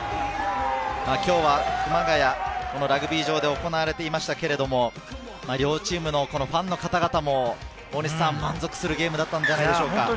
今日は熊谷のラグビー場で行われていましたけれども、両チームのファンの方々も満足するゲームだったのではないでしょうか。